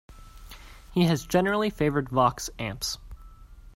He has generally favored Vox amps.